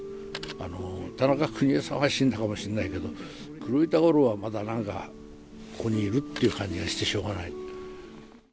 田中邦衛さんは死んだかもしれないけど、黒板五郎はまだなんか、ここにいるって感じがしてしょうがない。